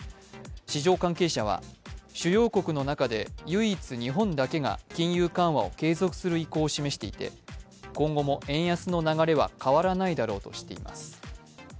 市場関係者は主要国の中で唯一日本だけが金融緩和を継続する意向を示していて今後も円安の流れは変わらないだろうとしています。